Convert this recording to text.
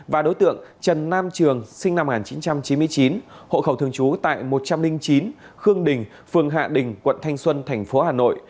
và đối tượng trần nam trường sinh năm một nghìn chín trăm chín mươi chín hộ khẩu thường trú tại một trăm linh chín khương đình phường hạ đình quận thanh xuân thành phố hà nội